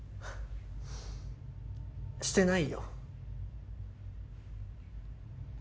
してないよ。